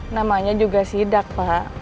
namanya juga sidak pak